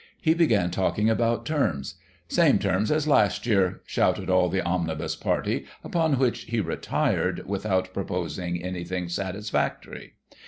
He began talking about terms. " Same terms as last year," shouted all the " Omnibus " party, upon which he retired, without proposing anything satisfactory.